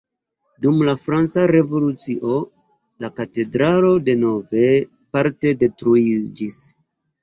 Dum la Franca Revolucio la katedralo denove parte detruiĝis.